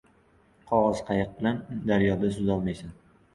• Qog‘oz qayiq bilan daryoda suzolmaysan.